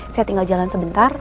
saya tinggal jalan sebentar